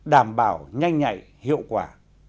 đảm bảo nhanh nhạy hiệu quả